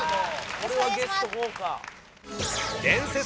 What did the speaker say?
これはゲスト豪華！